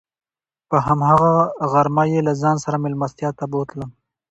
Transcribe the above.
په هماغه غرمه یې له ځان سره میلمستیا ته بوتلم.